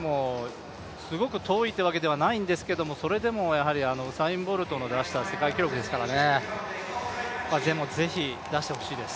すごく遠いというわけではないんですが、それでもウサイン・ボルトの出した世界記録ですからね、でもぜひ出してほしいです。